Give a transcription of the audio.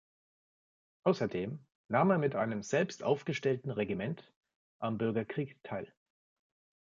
Außerdem nahm er mit einem selbst aufgestellten Regiment am Bürgerkrieg teil.